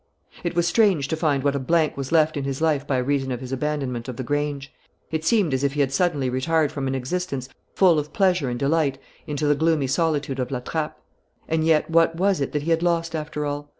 It was strange to find what a blank was left in his life by reason of his abandonment of the Grange. It seemed as if he had suddenly retired from an existence full of pleasure and delight into the gloomy solitude of La Trappe. And yet what was it that he had lost, after all?